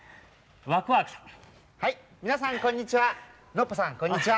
ノッポさんこんにちは。